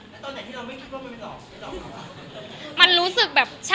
ว่ามันรู้สึกมันหลอกเราปะวะ